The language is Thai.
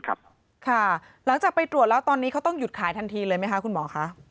หลังจากไปตรวจแล้วตอนนี้เขาต้องหยุดขายทันทีเลยไหมคะคุณหมอคะ